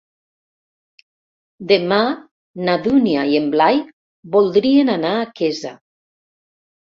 Demà na Dúnia i en Blai voldrien anar a Quesa.